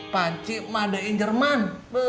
panci made in jerman